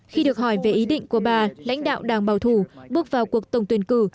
khi được hỏi về ý định của bà lãnh đạo đảng bảo thủ bước vào cuộc tổng tuyển cử